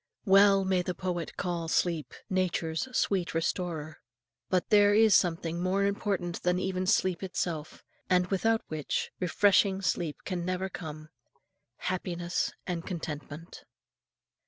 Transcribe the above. Well may the poet call sleep "Nature's sweet restorer." But there is something more important than even sleep itself, and without which, refreshing sleep can never come happiness and contentment.